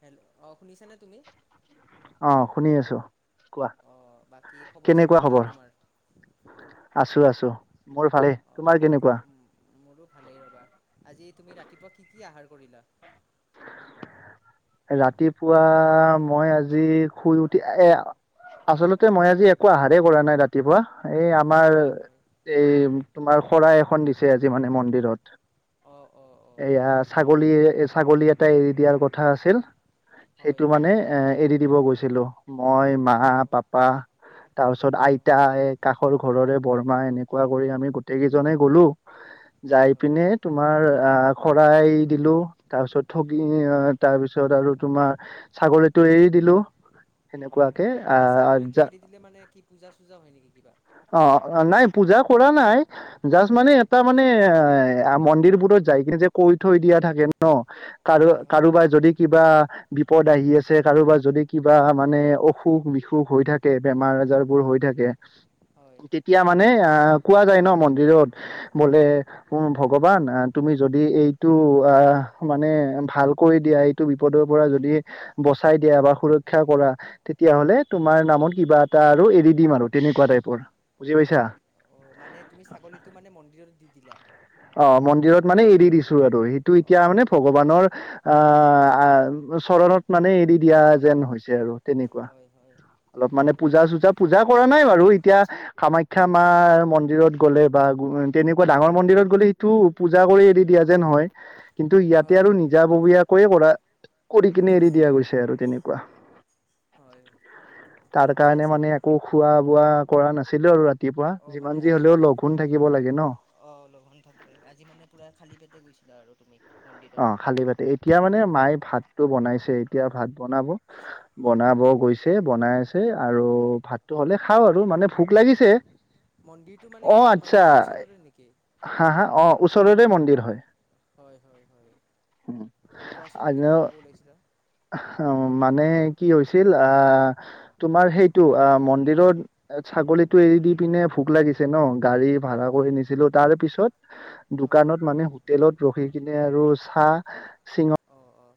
Hello অ শুনিছানে তুমি অহ শুনি আছো কোৱা অঁ বাকী খবৰ চবৰ কেনেকোৱা ভাল খবৰ তোমাৰ আছো আছো মোৰ ভালেই অঁ তোমাৰ কেনেকোৱা মোৰো ভালেই ৰবা আজি তুমি ৰাতিপুৱা কি কি আহাৰ কৰিলা? ৰাতিপুৱা মই আজি শুই উঠি এ আচলতে মই আজি একো আহাৰেই কৰা নাই ৰাতিপুৱা এই আমাৰ হয় হয় এই তোমাৰ শৰাই এখন দিছে আজি মানে মন্দিৰত অঁ অঁ অঁ এয়া ছাগলী ছাগলী এটা এৰি দিয়াৰ কথা আছিল হয় সেইটো মানে হয় এৰি দিব গৈছিলো মই মা অঁ পাপা তাৰপিছত অঁ আইতা এ কাষৰ ঘৰৰে বৰমা এনেকোৱা কৰি আমি গোটেই কেইজনে গ'লো হয় যাই হয় পিনে তোমাৰ আ শৰাই দিলো তাৰপিছত ঠগি হয় তাৰপিছত আৰু তোমাৰ ছাগলীতো এৰি দিলো। হয় সেনেকুৱাকে হয় মানে আহ ছাগলীটো এৰি দিলে মানে কি পূজা চুজা হয় নেকি কিবা? অ নাই পূজা কৰা নাই জাষ্ট হয় মানে হয় এটা মানে এ আম বোৰত যাই কিনে যে কৈ থৈ দিয়া থাকে ন কাৰো হয় হয় কাৰোবাৰ যদি কিবা বিপদ আহি আছে কাৰোবাৰ যদি কিবা মানে অসুখ বিসুখ হৈ থাকে বে বেমাৰ আজাৰ বোৰ হৈ থাকে হয় তেতিয়া মানে আ কোৱা যায় ন মন্দিৰত বোলে উ ভগৱান তুমি যদি এইটো অ মানে ভালকৈ দিয়া এইটো বিপদৰ পৰা যদি বচাই দিয়া বা সুৰক্ষা কৰা তেতিয়া হয় হ'লে তোমাৰ নামত কিবা এটা আৰু এৰি দিম আৰু তেনেকোৱা টাইপৰ বুজি অ পাইছা অ মানে তুমি ছাগলীতটো মানে মন্দিৰত দি দিলা অ মন্দিৰত মানে এৰি দিছো আৰু সেইটো অঁ এতিয়া মানে অঁ ভগৱানৰ আহ চৰণত মানে এৰি দিয়া যেন হৈছে আৰু তেনেকোৱা হয় হয় অলপ মানে হয় পূজা হয় চুজা পূজা কৰা নাই বাৰু এতিয়া কামাখ্যা মাৰ মন্দিৰত গ'লে বা গু উ তেনেকোৱা ডাঙৰ মন্দিৰত ছাগলীটো পূজা কৰি এৰি দিয়া যেন হয় কিন্তু ইয়াতে হয় আৰু হয় হয় নিজাববীয়াকৈয়ে কৰা কৰি কিনে এৰি দিয়া গৈছে আৰু তেনে কোৱা হয় তাৰ ঠিকেই কাৰণে আছে মানে একো খোৱা বোৱা কৰা নাই আছিলো আৰু ৰাতিপুৱা অ মানে যিমান যি আজি হলেও মানে লঘোণ থাকিব লাগে ন অ লঘোণ থাকিব লাগে আজি মানে পুৰা খালি পেটে গৈছিলা আৰু তুমি অ মন্দিৰত খালী পেটে এতিয়া মানে মায়ে ভাতটো বনাইছে এতিয়া ভাত বনাব [unintelligible] বনাব গৈছে বনাই আছে আৰু ভাতটো হ'লে হয় খাও আৰু মানে ভোক অ লাগিছে। মন্দিৰটো মানে অ কি আচ্ছা, তোমালোকৰ ওচৰতে নেকি হা হা অ ওচৰৰে মন্দিৰ হয়। হয় হয় হয়। উম কোৱাচোন তুমি আৰু কি ক'ব ওলাইছিলা উম মানে মানে কি হৈছিল তোমাৰ সেইটো মন্দিৰত ছাগলীটো এৰি দি পি পিনে ভোক লাগিছে ন। গাড়ী হয় ভাড়া কৰি হয় নিছিলো তাৰে পিছত হয় দোকানত মানে হোটেলত ৰখি কি টো চাহ শিঙৰ অ অ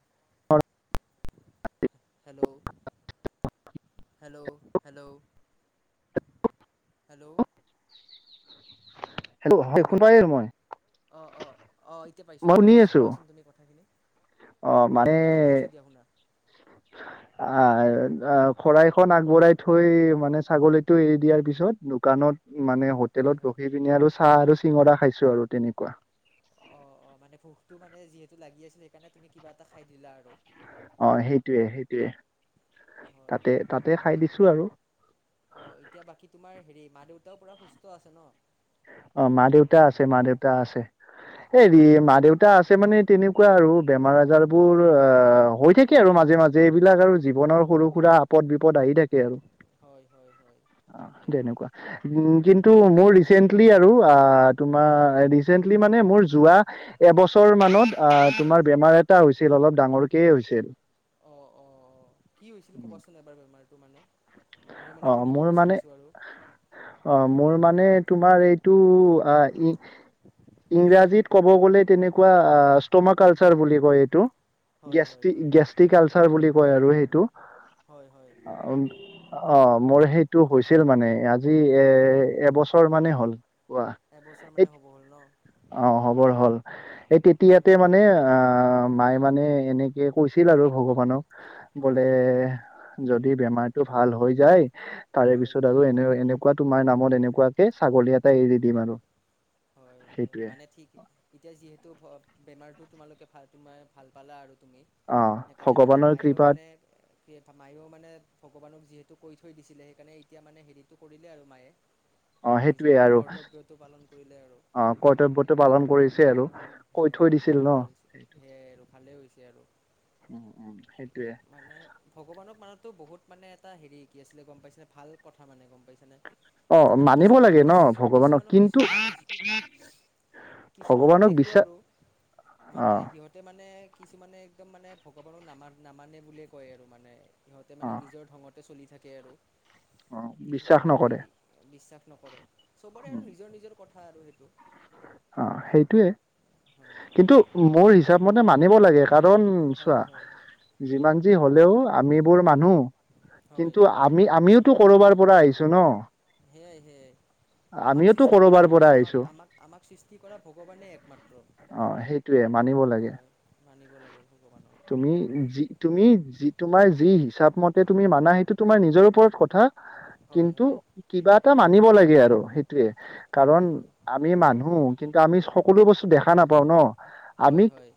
hello! Hello! Hello! Hello! [unintelligible] Hello! কোনোবাই মই অ অ অ এতিয়া পাইছো মই এতিয়া শুনি পাইছো আছো কোৱাচোন তুমি কথাখিনি? অ মানে এতিয়া পাইছোঁ দিয়া শুনা আহ খৰাই খন আগবঢ়াই থৈ মানে ছাগলীটো এৰি দিয়াৰ পিছত দোকানত মানে হয় হোটেলত হয় ৰখি পিনে আৰু চাহ আৰু চিঙৰা খাইছো আৰু তেনেকুৱা। অ অ মানে ভোকটো মানে যিহেতু লাগি আছিল সেইকাৰণে তুমি কিবা এটা খাই দিলা আৰু। অ সেইটোৱে সেইটোৱে, হয় তাতে তাতে খাই দিছো আৰু। অ এতিয়া বাকী তোমাৰ হেৰি মা -দেউতাও পুৰা সুস্থ আছে ন? অ মা -দেউতা আছে মা দেউতা আছে হেৰি হয় মা হয় -দেউতা আছে মানে তেনে কোৱা আৰু বেমাৰ আজাৰবোৰ হৈ থাকে আৰু মাজে মাজে এইবিলাক আৰু জীৱনৰ সৰু সুৰা বিপদ আহি থাকে আৰু হয় হয় হয় এ তেনেকুৱা উম কিন্তু মোৰ ৰিছেণ্টলি আৰু আ হুম হুম তোমাৰ ৰিছেণ্টলি মানে মোৰ যোৱা এবছৰ মানত আহ তোমাৰ বেমাৰ এটা হৈছিল অলপ ডাঙৰকে হৈছিল। অ অ অ কি হৈছিল কবাচোন এবাৰ বেমাৰটো মানে। মই মানে অ শুনিব মোৰ মানে, বিচাৰিছোঁ আৰু অ মোৰ মানে তোমাৰ এইটো আ ই ইংৰাজীত ক'ব গলে তেনেকুৱা ষ্টম কালচাৰ বুলি কয় এইটো। হয় হয় গেষ্টিক হয় গেষ্টিক আলচাৰ বুলি কয় আৰু সেইটো। হয় হয়। অ মোৰ সেইটো হৈছিল মানে আজি এ এবছৰ মানেই হ'ল পোৱা এবছৰ এই মানে হ'ব হ'ল ন অ হবৰ হ'ল, এই তেতিয়াতে উম মানে আহ মায়ে মানে এনেকে কৈছিল আৰু ভগৱানক বোলে হয় হয় যদি বেমাৰটো ভাল হৈ যায়, তাৰে হয় পিছত আৰু এনে এনে কোৱা তোমাৰ নামত এনেকুৱাকে ছাগলী এটা এৰি দিম আৰু। হয় হয় সেইটোয়ে মানে ঠিক এতিয়া যিহেতু বেমাৰ টো তোমালোকে ভাল তোমাৰ ভাল পালে আৰু। তুমি অ সেইকাৰণে মানে ভগৱানৰ মায়েও কৃপাত মানে কি মায়েও মানে ভগৱানক যিহেতু কৈ থৈ দিছিলে সেইকাৰণে এতিয়া মানে হেৰিটো কৰিলে আৰু মায়ে অ সেইটোয়ে নিজৰ আৰু কৰ্তব্যটো পালন। কৰিলে আৰু অ কৰ্তব্যটো পালন কৰিছে আৰু। কৈ থৈ সেইয়াই দিছিল ভালে ন হৈছে সেইটো সেয়াই আৰু ভালে হৈছে আৰু। উম উম সেইটোয়ে মানে ভগৱানক মানত টো বহুত মানে এটা হেৰি কি আছিলে গম পাইছেনে ভাল কথা মানে গম পাইছেনে? অ এতিয়া মানে মানিব কিছুমানৰ লাগে ন কিছ ভগৱানক কিছুমানৰ কিন্তু কিছুমানক কিছ কিছুমানক ভগৱানক দেখো বিশ্বাস আৰু অ মানে সিহঁতে মানে কিছুমানে একদম মানে ভগৱানক নামা নামানে বুলিয়ে কয় আৰু মানে। সিহঁতে অ মানে নিজৰ ঢঙতে চলি থাকে আৰু। সেইটো বিশ্বাস কিন্তু নকৰে বিশ্বাস নকৰে, চবৰে আৰু নিজৰ নিজৰ কথ [unintelligible] অ সেইটোয়ে কিন্তু মোৰ হিচাপ মতে মানিব লাগে। কাৰণ চোৱা হয় হয় যিমান যি হলেও আমিবোৰ মানুহ হয় কিন্তু আমি আমিওটো কৰবাৰ পৰা আহিছো ন। সেয়াহে আমাক আমিওতো সৃষ্টি কৰা কৰবাৰ কোন পৰা আমাক আহিছো আমাক আমাক সৃষ্টি কৰা ভগৱানে একমাত্ৰ অ সেইটোয়ে মানিব লাগে হয় মানিব লাগে ভগৱান। তুমি যি তুমি তোমাৰ যি হিচাপ মতে তুমি মানা সেইটো তোমাৰ নিজৰ ওপৰত কথা। হয় কিন্তু হয় কিবা এটা মানিব লাগিব গে আৰু সেইটোৱে কাৰণ সেয়াই আমি মানুহ কিন্তু আমি সকলো বস্তু দেখা নাপাওঁ ন। হয় আমি হয়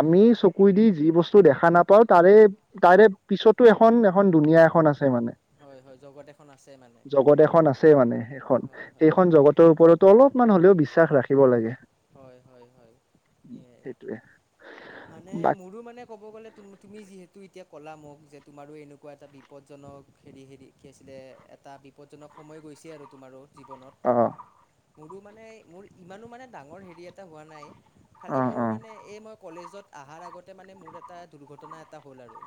আমি চ- কুই দি যি বস্তু দেখা নাপাও তাৰে তাৰে পিছতো এখন এখন ধুনীয়া এখন আছে- ছে মানে হয় হয় জগত এখন আছে মানে জগত এখন আছে মানে সেইখন হয় খন হয় সেইখন জগতৰ ওপৰতো অলপমান হলেও বিশ্বাস ৰাখিব লাগে। হয় হয় হয় সেয়াই সেইটোৱে মানে নে বাক মোৰো মানে ক'ব গ'লে তুমি যিহেতু এতি- এতিয়া ক'লা মোক যে তোমাৰো এনেকুৱা এটা বিপদজনক হেৰি হেৰি কি আছিলে এটা বিপদজনক সময়ত গৈছে আৰু তোমাৰো জীৱনত অ মোৰো মানে মোৰ ইমানো মানে ডাঙৰ হেৰি এটা হোৱা নাই। খালি অ মোৰ অ মানে এই মই কলেজত অহাৰ আগতে মানে মোৰ এটা দুৰ্ঘটনা এটা হ'ল আৰু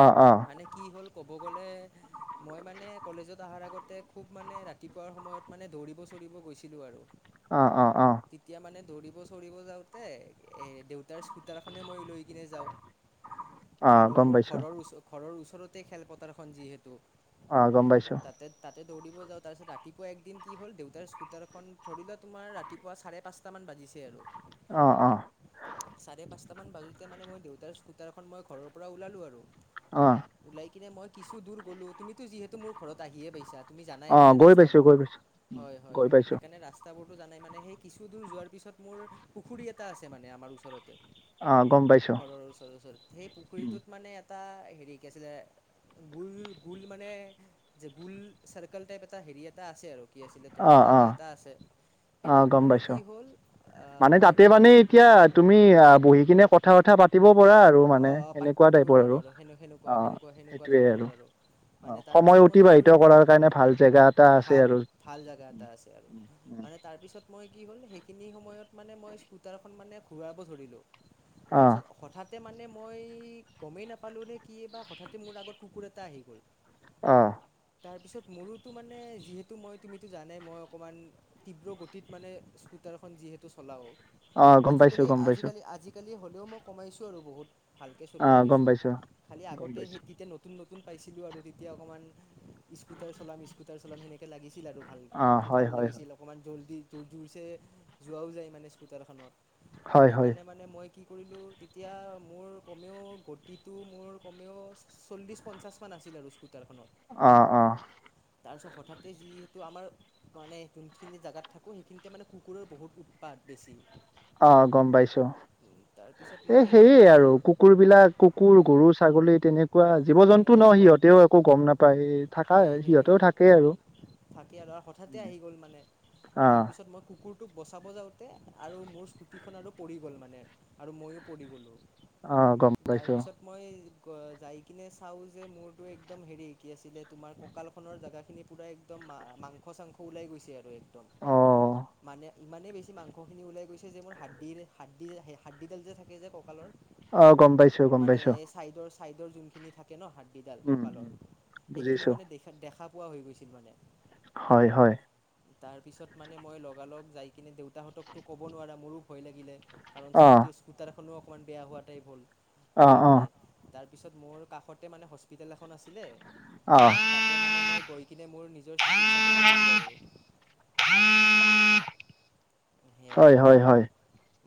অ অ মানে কি হ'ল ক'ব গ'লে মই মানে কলেজত অহাৰ আগতে খুব মানে ৰাতিপুৱাৰ সময়ত মানে দৌৰিব চৰিব গৈছিলোঁ আৰু। অ অ অ তেতিয়া মানে দৌৰিব চৰিব যাওঁতে এ দেউ- স্কুটাৰখনে মই লৈ কিনে যাওঁ অ আৰু গম মোৰ পাইছো ঘৰৰ ওচ ঘৰৰ ওচৰতে খেলপথাৰখন যিহেতু অ গম পাইছো তাতে তাতে দৌৰ দিব যাওঁ তাৰপিছত ৰাতিপুৱা একদিন কি হ'ল দেউতাৰ স্কুটাৰখন ধৰিলেও তোমাৰ ৰাতি পুৱা চাৰে পাঁচটামান বাজিছে আৰু অহ অহ এটামান বাজোতে মানে মই দেউতাৰ স্কুটাৰখন মই ঘৰৰ পৰা ওলালোঁ আৰু অহ ওলাই কিনে মই কিছু দূৰ গলো তুমি যিহেতো মূৰ ঘৰত আহিয়ে পাইছা। তুমি জানাই অ মানে গৈ পাইছো ৰাস্তাবোৰ গৈ পাইছো হয় হয় গৈ হয় পাইছো সেইকাৰণে ৰাস্তাবোৰো জানাই মানে সেই কিছু দূৰ যোৱাৰ পিছত মোৰ পুখুৰী এটা আছে মানে আমাৰ ওচৰতে অ গম পাইছো ঘৰৰ ওচৰৰ ওচৰত সেই উম, পুখুৰীটোত মানে এটা হেৰি কি আছিলে। শুল শুল মানে যে শুল চাৰ্কোল টাইপ এটা হেৰি এটা আছে আৰু কি আছিলে তোমাৰ অ', জাগা অ', এটা আছে অ', সেইটোত গম মানে পাইছো কি হ'ল মানে তাতে মানে এতিয়া তুমি বহি কিনে কথা বতা পা পৰা আৰু মানে এনেকুৱা পাতিব তাইপৰ পাৰোঁ আৰু সেনে সেনেকুৱা অহ সেনেকুৱা সেইটো আৰু সময় তাত মই কি অতিবাহিত কৰিলো কৰাৰ কাৰণে ভাল জেগা এটা আছে ভাল আৰু ভাল জাগা উম, এটা আছে আৰু উম, উম। মানে তাৰপিছত মই কি হ'ল সেইখিনি সময়ত মানে মই স্কুটাৰখন মানে ঘূৰাব ধৰিলোঁ অ', তাৰপিছত হঠাৎ মানে মই গমেই নাপালো নে কি বা হঠাতে মোৰ আগত কুকুৰ এটা আহি গ'ল। অহ তাৰপিছত মোৰোতো মানে যিহেতু মই তুমিতো জানে মই অকণমান তীব্ৰ গতিত মানে স্কি স্কুটাৰখন যিহেতু চলাওঁ অ গম পাইছো আজিকালি গম পাইছো আজিকালি আজিকালি হ'লেও মই কমাইছোঁ আৰু বহুত ভালকৈ চলোৱা অ', গম হৈছোঁ পাইছো খালি গম আগতে পাইছো সেই তেতিয়া নতুন নতুন নতুন পাইছিলো আৰু তেতিয়া অকণমান স্কুটাৰ চলাম স্কুটাৰ চলাম সেনেকৈ লাগিছিল আৰু ভাল অ', অকণমান হয় ভাল হয় হয় লাগিছিল অকণমান জল্দি। জোৰছে যোৱাও যায় মানে স্কুটাৰখনত হয় হয় সেইকাৰণে মানে মই কি কৰিলোঁ। তেতিয়া মোৰ কমেও গতিটো মোৰ কমেও চল্লিছ পঞ্চাছ মান আছিল আৰু স্কুটাৰখনত। অহ অহ। তাৰপিছত হঠাতে যিহেতু আমাৰ মানে যোনখিনি জেগাত থাকোঁ সেইখিনিতে মানে কুকুৰৰ বহুত উৎপাদ। বেছি। আহ গম পাইছো। তাৰপিছত এই মই সেয়ে সেনেকৈ আৰু কুকুৰ বিলাক কুকুৰ গৰু ছাগলী এ। এনেকুৱা জীৱ জন্তু ন হত সিহঁতেও একো গম নাপায় থাকা সিহঁতেও থাকেই আৰু। থাকি আৰু হঠাতে উম। আহি গ'ল মানে আহ তাৰপিছত মই কুকুৰ। তোক বচাব যাওঁতে আৰু মোৰ স্কুটিখন আৰু পৰি গ'ল মানে আৰু ময়ো পৰি গ'লোঁ। অ গম পাইছো। বচাই যায়। কিহে চাউল যে মোৰতো একদম হেৰি শিকি আছিলে তোমাৰ কঁকালখনৰ জেগা খিনি পুৰা একদমা মাংস। মাংস শচাংখ ওলাই গৈছে আৰু একদম অ মানে। ইমানেই বেছি মাংসখিনি ওলাই গৈছে যে মোৰ হাডিৰ হাডি যে যে থাকে যে কঁকালৰ। আহ গম পাইছো গম মানে পাইছো। এই ছাইডৰ ছাইডৰ যোনখিনি থাকে ন হাডিডাল উম উম কঁকালৰ সেইখিনি বুজিছো মানে দেখা দেখা। পোৱা হৈ গৈছিল মানে। হয় হয়। তাৰপিছত মানে মই লগালগ যাই কিনে দেউতাহঁতকতো ক'ব নোৱাৰা মোৰো ভয় লাগিলে। আৰু অ স্কট স্কুটাৰখনো অকণমান বেয়া হোৱাটাই হ'ল অ পৰি অ কিনে তাৰপিছত মোৰ। কাষতে মানে হস্পিতেল এখন আছিলে অ তাতে মানে মই গৈ কিনে মোৰ নিজৰ। চিকিৎসাটো কৰিলোঁ আৰু। সেয়াই হয় হয় তোমাৰ হয়।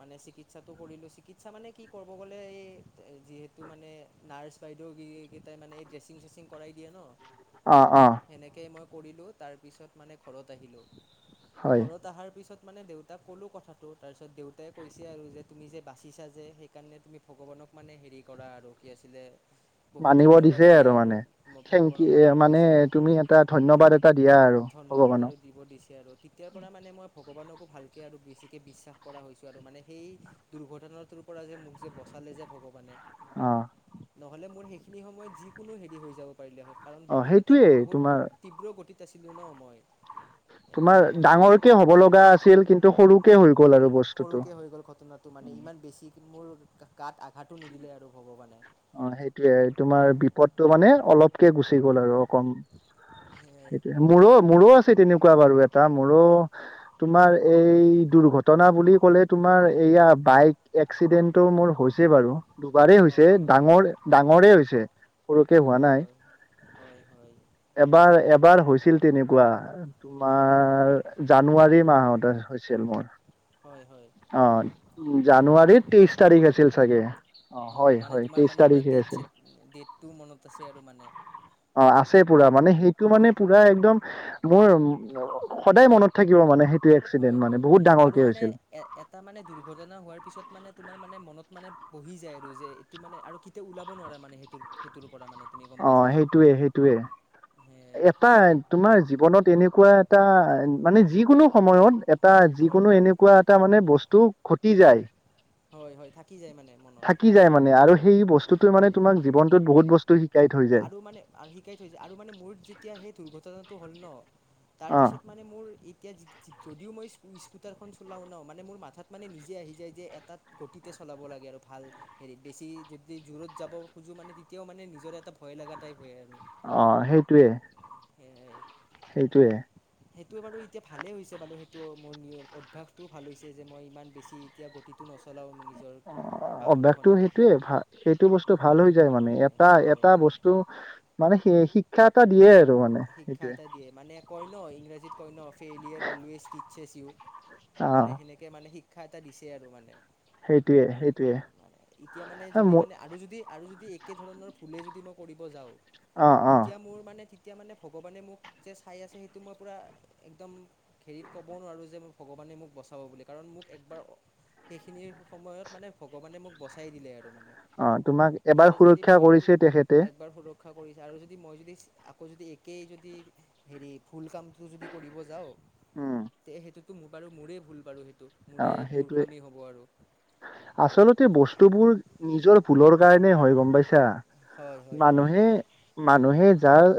মানে চিকিৎসাটো কৰিলো চিকিৎসা মানে কি কৰিব গ'লে এই যিহেতু মানে নাৰ্ছ বাইদেউ। এইকেইটা মানে এই ড্ৰেছিং চেচিং কৰাই দিয়ে ন। অ অ। কৰিলো তাৰপিছত মানে ঘৰত আহিলো হয় ঘৰত অহাৰ পিছত দেউ। তাক ক'লো কথাটো তাৰপিছত দেউতাই কৈছে আৰু যে তুমি যে বাচিছা যে সেইকাৰণে তুমি ভগৱানক মানে হে। ৰি কৰা আৰু কি আছিলে। বহুত মানিব ধন্যবাদ দিছে দিয়া আৰু মানে মোক থেংক ভগৱানক ইউ মানিব মানে দিছে তুমি এটা ধন্যবাদ এটা দিয়া। আৰু ধন্যবাদ ভগৱানক আৰু দিব দিছে আৰু তেতিয়াৰ পৰা মানে মই ভগৱানকো ভাল। এতিয়া আৰু বেছিকৈ বিশ্বাস কৰা হৈছো আৰু মানে সেই দুৰ্ঘটনাটোৰ পৰা যে মোক যে বচালে যে ভগৱানে। অ নহলে মোৰ সেইখিনি সময়ত যিকোনো হেৰি হৈ যাব। পাৰিলে হয় কাৰণ অ বহুত এটা সেইটোয়ে বহুত তোমাৰ তীব্ৰ গতিত আছিলো ন মই। তোমাৰ সেইকাৰণে ডাঙৰকে হ'ব লগা আছিল কিন্তু। সৰুকে হৈ গ'ল আৰু বস্তুটো সৰুকে হৈ গ'ল ঘটনাটো মানে উম ইমান বেছি মোৰ। গাত আঘাতটো নিদিলে আৰু ভগৱানে। পদটো মানে অলপকে গুচি গ'ল আৰু অকম সেয়াই সেইটোয়ে মোৰো মোৰো আ। ছিল তেনেকোৱা বাৰু এটা মোৰো তোমাৰ এই দুৰ্ঘটনা বুলি ক'লে তোমাৰ। এয়া বাইক এক্সিডেন্টটো মোৰ হৈছেই বাৰু। দুবাৰেই হৈছে হয় হয় ডাঙৰ ডাঙৰে হৈছে সৰুকে হোৱা হয় নাই। হয় হয় হয় এবাৰ এ। বাৰ হৈছিল তেনেকোৱা অঁ তোমাৰ জানুৱাৰী মাহত হৈছিল মোৰ। হয় হয় অ জানুৱাৰীৰ তেইশ তাৰিখ আছিল চাগে। অ হয় মানে হয় তোমাৰ তেইশ মানে পুৰা তাৰিখে ডেট আছিল চেট ডেটতো মনত আছে আৰু মানে। অ আছে পুৰা মানে সেইটো মানে হয় পুৰা একদম মোৰ সদায় মনত থাকিব মানে সেই। হয় হয় আৰু মানে এ এটা মানে দুৰ্ঘটনা হোৱাৰ পিছত মানে তোমাৰ মানে মনত। মানে বহি যায় আৰু যে এইটো মানে আৰু কেতিয়াও ওলাব নোৱা মানে সেইটোৰ সেইটোৰ পৰা মানে। তুমি গম অ পাইছানে সেইটোৱে সেইটোৱে সেয়াই এটা তোমাৰ জীৱনত এনেকোৱা এটা মানে যিকোনো সময়ত এটা হয় যিকোনো হয় এনেকোৱা এটা মানে বস্তু ঘতি যায়। হয় হয় থাকি যায় মানে মনত এই বস্তুটোৱে মানে তোমাক জীৱনটোত বহুত বস্তু শিকাই থৈ যায় আৰু মানে শিকাই থৈছে আৰু মানে মোৰ যেতিয়া সেই দুৰ্ঘটনাটো হ'ল ন তাৰ অ পিছত মানে মোৰ ই এতিয়া যদিও মই স্কুটাৰখন চলাও ন মানে মোৰ মাথাত মানে নিজে আহি যায় যে এটা গতিতে চলাব লাগে আৰু ভাল হেৰি বেছি যদি দূৰত যাব খোজো মানে তেতিয়াও মানে নিজৰ এটা ভয় লগা টাইপ হয় আৰু অ সেইটোৱে সেইটোৱে সেইটো বাৰু এতিয়া ভালে হৈছে বাৰু সেইটো মোৰ অভ্যাসটোও ভাল হৈছে যে মই ইমান বেছি এতিয়া গতি নচলাও মে অ অভ্যাসটো সেইটোয়ে ভা সেইটো বস্তু ভাল হৈ যায় মানে এটা সেয়াই এটা বস্তু মানে সেই শিক্ষা এটা দিয়ে আৰু মানে শিক্ষা সেইটোৱে এটা দিয়ে মানে কই ন ইংৰাজীত কই ন ফেইলাৰ অলৱেজ টিছেছ ইউ অ মানে সেনেকে মানে শিক্ষা এটা দিছে আৰু মানে সেইটোৱে সেইটোৱে এতিয়া মানে যদি মোৰ মানে আৰু যদি আৰু যদি একে ধৰণৰ ভুলে যদি মই কৰিব যাওঁ অ অ তেতিয়া মোৰ মানে তেতিয়া মানে ভগৱানে মোক যে চাই আছে সেইটো মই পুৰা একদম হেৰিত ক'ব নোৱাৰোঁ যে ভগৱানে মোক বচাব বুলি কাৰণ মোক একবাৰ সেইখিনি সময়ত মানে ভগৱানে মোক বচাই দিলে আৰু মানে অ তোমাক এবাৰ সুৰক্ষা কৰিছে তেখেতে ৰক্ষা কৰিছে আৰু যদি মই যদি আকৌ যদি একেই যদি হেৰি ভুল কামটো যদি কৰিব যাওঁ উম তে সেইটোতো মোৰ বাৰু মোৰেই ভুল বাৰু সেইটো অ মোৰে সেইটোৱে মূৰ্খামি হ'ব আৰু তোৰ ভোল নিজৰ ভুলৰ কাৰণে হয় গম পাইছা হয় হয় হয় মানুহে মানুহে যাৰ